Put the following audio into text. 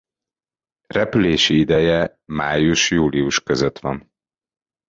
Repülési ideje május–július között van.